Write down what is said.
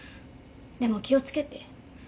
でも気を付けて。